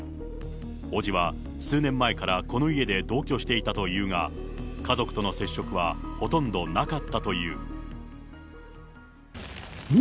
伯父は数年前からこの家で同居していたというが、家族との接触はほとんどなかったという。